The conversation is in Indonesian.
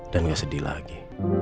dan gak sedih lagi